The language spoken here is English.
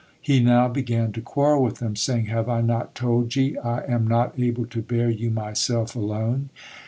He now began to quarrel with them, saying, "Have I not told ye, 'I am not able to bear you myself alone'?